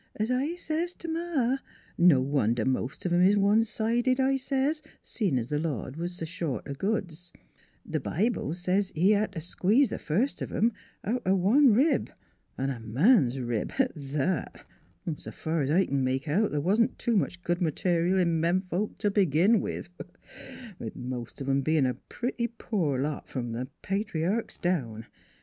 Es I says t' Ma, ' t No wonder most of 'em is one sided,' I says, * seein' th' Lord was s' short o' goods.' The Bible says, he hed t' squeeze the first of 'em out o' one 172 NEIGHBORS rib V a man's rib at that! 'S fur's I c'n make out, th' wa'n't any too much good material in men folks t' begin with most of 'em bein' a pertty poor lot, f'om th' patriarchs, down.